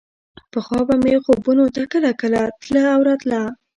پخوا به مې خوبونو ته کله کله تله او راتله.